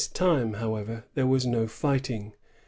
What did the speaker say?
time, however, there was no fighting.